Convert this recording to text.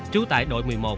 trú tại đội một mươi một